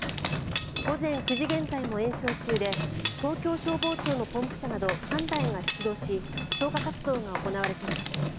午前９時現在も延焼中で東京消防庁のポンプ車など３台が出動し消火活動が行われています。